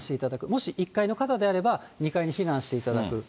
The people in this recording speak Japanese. もし１階の方であれば、２階に避難していただく。